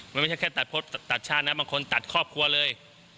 มันไม่ใช่แค่ตัดชาตินะบางคนตัดครอบครัวเลย